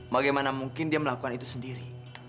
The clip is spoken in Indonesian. bagaimana mungkin dia melakukan itu sendiri